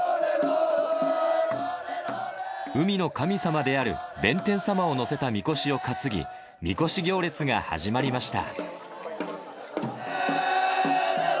海の神様である弁天様を載せたみこしを担ぎ、みこし行列が始まりました。